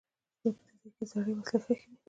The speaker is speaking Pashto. په دې ځای کې زړې وسلې ښخي دي.